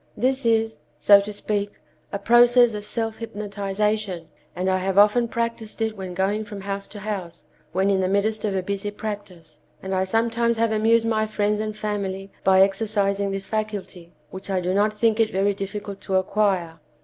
This is, so to speak, a process of self hypnotization, and I have often practiced it when going from house to house, when in the midst of a busy practice, and I sometimes have amused my friends and family by exercising this faculty, which I do not think it very difficult to acquire.